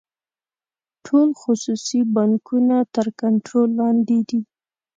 ټول خصوصي بانکونه تر کنټرول لاندې دي.